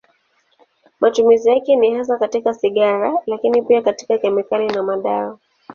Matumizi yake ni hasa katika sigara, lakini pia katika kemikali na madawa.